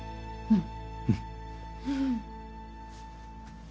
うん。